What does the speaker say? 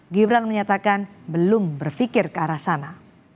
gibran menyatakan belum berpikir ke arah sana